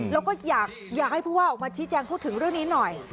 แล้วก็อยากให้ผู้ว่าออกมาชี้แจงพูดถึงเรื่องนี้หน่อย